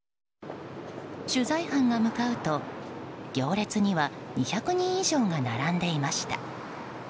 取材班が向かうと行列には、２００人以上が並んでいました。